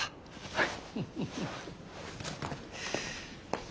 はい！